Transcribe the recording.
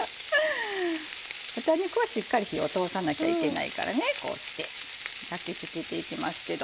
豚肉はしっかり火を通さなきゃいけないからねこうして焼き付けていきますけど。